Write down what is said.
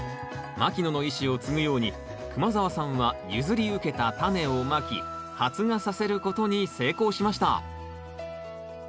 牧野の遺志を継ぐように熊澤さんは譲り受けたタネをまき発芽させることに成功しました。